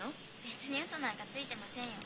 別にウソなんかついてませんよ。